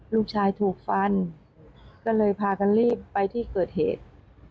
ลูกชายถูกฟันก็เลยพากันรีบไปที่เกิดเหตุ